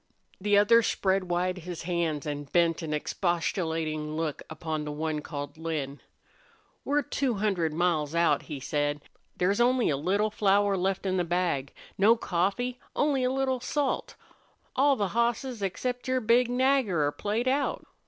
The other spread wide his hands and bent an expostulating look upon the one called Lin. "We're two hundred miles out," he said. "There's only a little flour left in the bag. No coffee! Only a little salt! All the hosses except your big Nagger are played out.